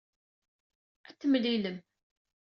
Ad temlellim.